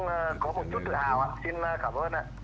một chút tự hào ạ xin cảm ơn ạ